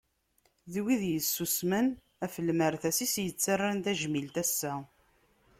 D wid yessusemen ɣef lmerta-s i s-yettarran tajmilt assa.